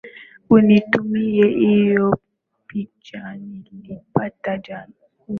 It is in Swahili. Unitumie hiyo picha nilipiga jana